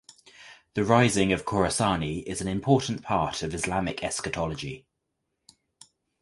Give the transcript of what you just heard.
The rising of Khorasani is an important part of Islamic eschatology.